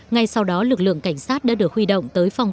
ngay sau đó lực lượng cảnh sát đã được huy động tới phòng